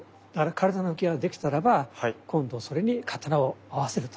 体の動きができたらば今度それに刀を合わせると。